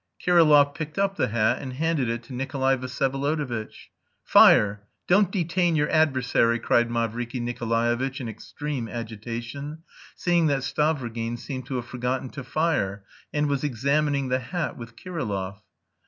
Kirillov picked up the hat and handed it to Nikolay Vsyevolodovitch. "Fire; don't detain your adversary!" cried Mavriky Nikolaevitch in extreme agitation, seeing that Stavrogin seemed to have forgotten to fire, and was examining the hat with Kirillov.